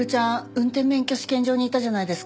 運転免許試験場にいたじゃないですか。